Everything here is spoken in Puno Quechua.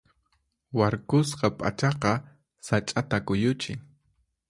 Warkusqa p'achaqa sach'ata kuyuchin.